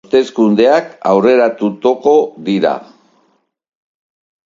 Hauteskundeak aurreratuko dira.